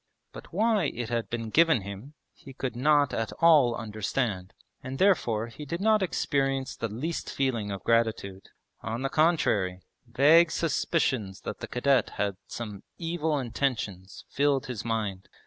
But why it had been given him he could not at all understand, and therefore he did not experience the least feeling of gratitude. On the contrary, vague suspicions that the cadet had some evil intentions filled his mind.